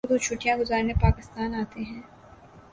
وہ تو چھٹیاں گزارنے پاکستان آتے ہیں۔